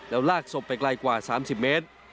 แล้วลากศพไปไกลกว่า๓๐เมตร